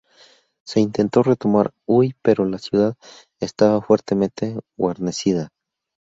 Se intentó retomar Huy pero la ciudad estaba fuertemente guarnecida.